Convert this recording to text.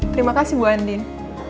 terima kasih bu andin